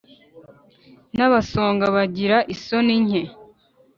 N'abansonga bagira isoni nke.